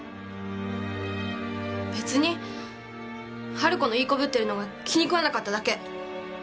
別にハル子のいい子ぶってるのが気に食わなかっただけ。